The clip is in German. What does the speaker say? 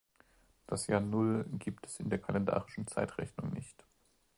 Das Jahr null gibt es in der kalendarischen Zeitrechnung nicht.